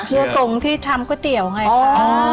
เรือกงที่ทำก๋วยเตี๋ยว๓๐๐บาทค่ะ